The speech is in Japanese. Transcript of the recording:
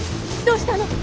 どうしたの？